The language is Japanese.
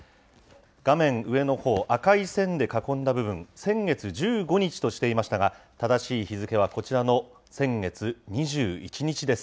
画面上のほう、赤い線で囲んだ部分、先月１５日としていましたが、正しい日付はこちらの先月２１日です。